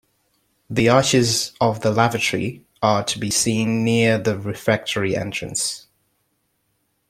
The arches of the lavatory are to be seen near the refectory entrance.